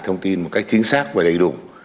thông tin một cách chính xác và đầy đủ